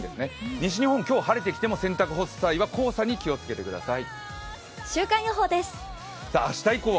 西日本、今日も晴れてきても、洗濯を干す際は黄砂に気をつけてください。